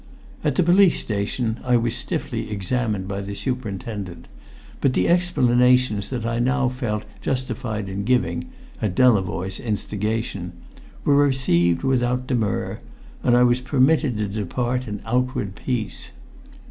At the police station I was stiffly examined by the superintendent; but the explanations that I now felt justified in giving, at Delavoye's instigation, were received without demur and I was permitted to depart in outward peace.